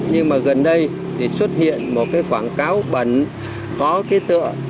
nhưng mà gần đây thì xuất hiện một cái quảng cáo bẩn có cái tựa